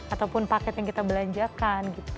ataupun paket yang kita belanjakan gitu